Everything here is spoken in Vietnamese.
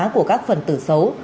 của các phần tử xấu